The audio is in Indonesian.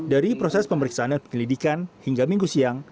dari proses pemeriksaan dan penyelidikan hingga minggu siang